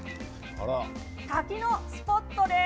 滝のスポットです。